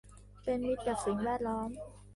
เป็นมิตรกับสิ่งแวดล้อม